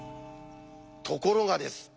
ところがです。